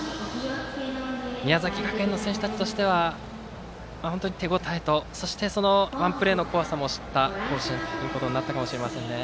宮崎学園の選手たちとしては本当に手応えとそしてワンプレーの怖さも知った甲子園ということになったかもしれませんね。